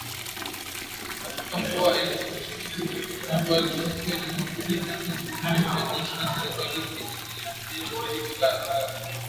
Katika mkoa wa Est nchini Burkina Faso siku ya Jumapili vyanzo vine vya jeshi la serikali vililiambia shirika la habari.